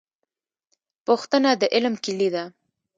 پوښتنه د علم کیلي ده